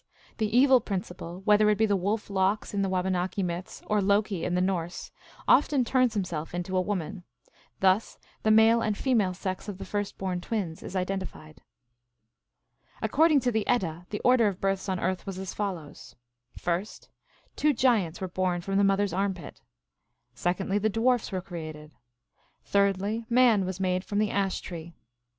The Evil principle, whether it be the Wolf Lox in the Waba naki myths, or Loki in the Norse, often turns himself into a woman. Thus the male and female sex of the first born twins is identified. According to the Edda, the order of births on earth was as follows : First, two giants were born from the mother s armpit. Secondly, the dwarfs were created. Thirdly, man was made from the ash tree.